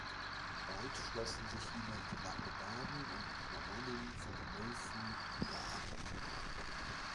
Bald schlossen sich ihnen die Langobarden und Normannen von Melfi unter Arduin an.